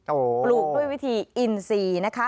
ปลูกด้วยวิธีอินซีนะคะ